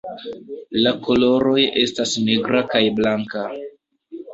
La koloroj estas nigra kaj blanka.